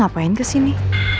ngapain ke sini